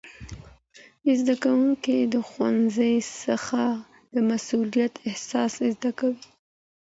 زدهکوونکي د ښوونځي څخه د مسئولیت احساس زده کوي.